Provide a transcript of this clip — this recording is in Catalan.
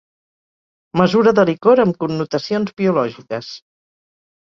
Mesura de licor amb connotacions biològiques.